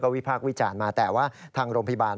วิพากษ์วิจารณ์มาแต่ว่าทางโรงพยาบาล